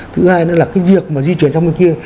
thứ hai nữa là cái việc mà di chuyển sang bên kia